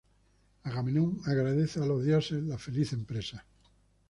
Agamenón agradece a los dioses la feliz empresa.